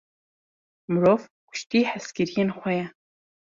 Mirov, kuştiye hezkiriyên xwe ye.